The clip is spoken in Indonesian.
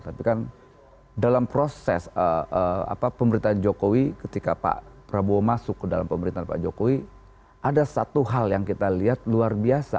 tapi kan dalam proses pemerintahan jokowi ketika pak prabowo masuk ke dalam pemerintahan pak jokowi ada satu hal yang kita lihat luar biasa